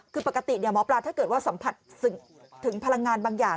คือปกติหมอปลาถ้าเกิดว่าสัมผัสถึงพลังงานบางอย่าง